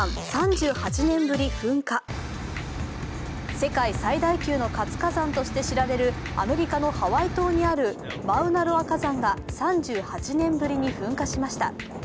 世界最大級の活火山として知られるアメリカのハワイ島にあるマウナロア火山が３８年ぶりに噴火しました。